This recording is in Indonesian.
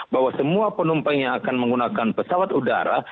bahwa semua penumpang yang akan menggunakan pesawat udara